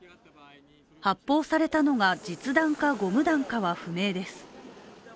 発砲されたのが実弾かゴム弾かは不明です。